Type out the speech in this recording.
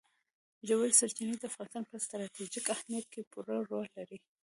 ژورې سرچینې د افغانستان په ستراتیژیک اهمیت کې پوره رول لري.